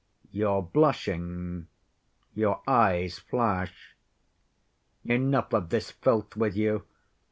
You're blushing; your eyes flashed. Enough of this filth with you.